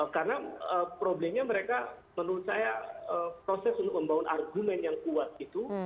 karena problemnya mereka menurut saya proses untuk membangun argumen yang kuat itu